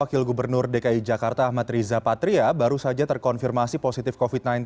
wakil gubernur dki jakarta ahmad riza patria baru saja terkonfirmasi positif covid sembilan belas